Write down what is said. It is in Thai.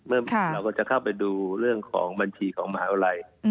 เราก็จะเข้าไปดูเรื่องของบัญชีของมหาวิทยาลัย